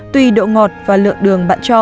tuy độ ngọt và lượng đường